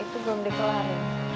itu belum dikelarin